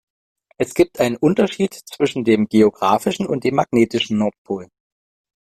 Es gibt einen Unterschied zwischen dem geografischen und dem magnetischen Nordpol.